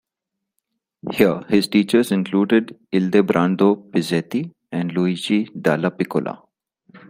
Here his teachers included Ildebrando Pizzetti and Luigi Dallapiccola.